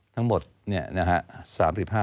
ทั้งหมดเนี่ยนะฮะ